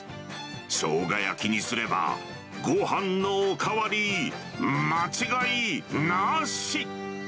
しょうが焼きにすれば、ごはんのお代わり間違いなし。